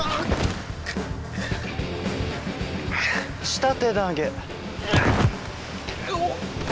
下手投げ。